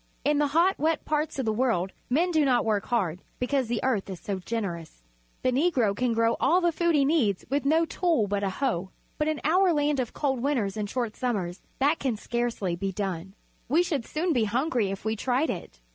In the hot, wet parts of the world men do not work hard, because the earth is so generous. The Negro can grow all the food he needs with no tool but a hoe. But in our land of cold winters and short summers that can scarcely be done. We should soon be hungry if we tried it.